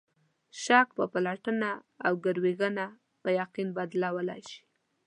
شک په پلټنه او ګروېږنه په یقین بدلېدای شي.